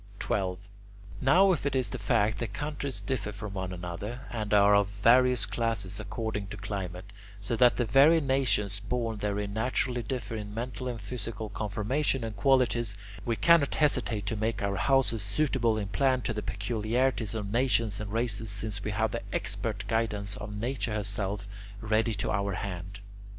12. Now if it is a fact that countries differ from one another, and are of various classes according to climate, so that the very nations born therein naturally differ in mental and physical conformation and qualities, we cannot hesitate to make our houses suitable in plan to the peculiarities of nations and races, since we have the expert guidance of nature herself ready to our hand.